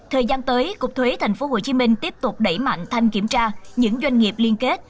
thời gian tới cục thuế tp hcm tiếp tục đẩy mạnh thanh kiểm tra những doanh nghiệp liên kết